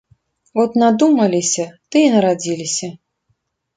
От надумаліся ды і нарадзіліся.